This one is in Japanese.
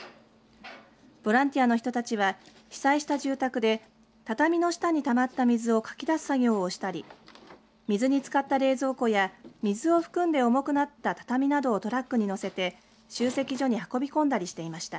ボランティアの人たちは被災した住宅で畳の下にたまった水をかき出す作業をしたり水につかった冷蔵庫や水を含んで重くなった畳などをトラックに載せて集積所に運び込んだりしていました。